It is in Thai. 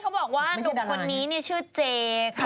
นั่งเขาบอกว่านุ่มคนนี้ชื่อเจ้ค่ะ